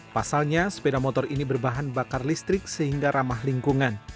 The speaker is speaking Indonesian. pasalnya sepeda motor ini berbahan bakar listrik sehingga ramah lingkungan